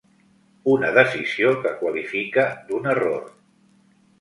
Una decisió que qualifica d’un ‘error’.